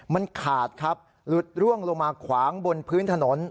มันขาดครับหลุดร่วงลงมาขวางบนพื้นถนน